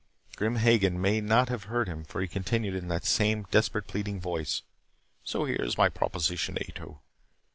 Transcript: Grim Hagen may not have heard him for he continued in that same desperate, pleading voice. "So here is my proposition, Ato.